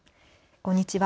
こんにちは。